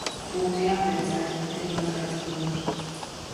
Būtu jāpriecājas, bet ir mazliet skumji.